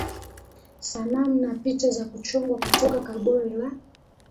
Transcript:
Sanamu na picha za kuchongwa kutoka Kaburi la